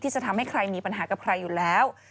จะทำให้ใครมีปัญหากับใครอยู่แล้ว